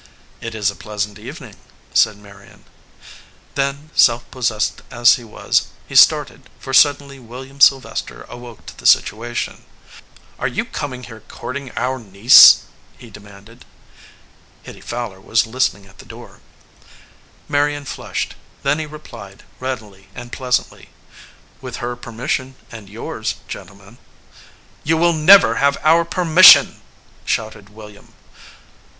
"It is a pleasant evening," said Marion. Then, self possessed as he was, he started, for suddenly William Sylvester awoke to the situa tion. "Are you coming here courting our niece?" he demanded. Hitty Fowler was listening at the door. Marion flushed; then he replied readily and pleasantly, "With her permission and yours, gen tlemen." "You will never have our permission!" shouted William.